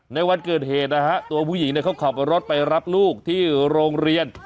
ในวันเกิดเหตุนะฮะตัวผู้หญิงเขาขับรถไปรับลูกที่โรงเรียน